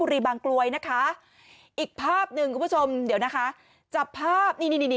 มีลองด้านหลังเมืองมีคนนั่งอยู่อันนน่าใช่คุณแซน